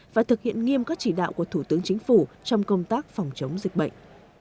và thực hiện nghiêm các chỉ đạo của thủ tướng chính phủ trong công tác phòng chống dịch bệnh